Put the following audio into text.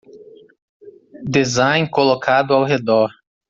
Design colocado ao redor